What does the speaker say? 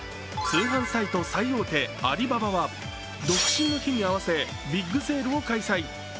通販サイト最大手アリババは独身の日に合わせビッグセールを開催。